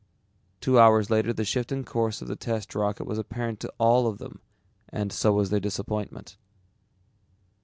Two hours later the shift in course of the test rocket was apparent to all of them and so was their disappointment.